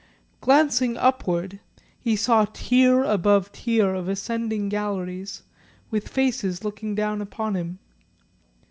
Glancing upward, he saw tier above tier of ascending galleries with faces looking down upon him.